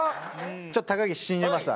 ちょっと高岸信じますわ。